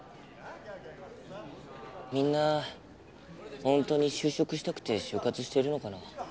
みんなホントに就職したくて就活してるのかな